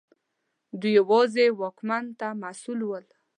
دوی یوازې واکمن ته مسوول ول.